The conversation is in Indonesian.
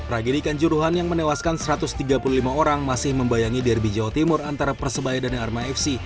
tragedi kanjuruhan yang menewaskan satu ratus tiga puluh lima orang masih membayangi derby jawa timur antara persebaya dan arma fc